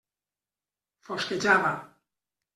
Fosquejava.